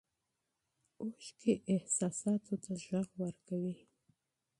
اوښکې احساساتو ته غږ ورکوي.